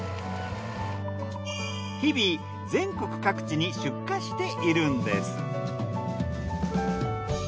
日々全国各地に出荷しているんです。